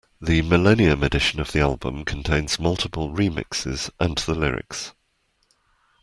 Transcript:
The millennium edition of the album contains multiple remixes and the lyrics.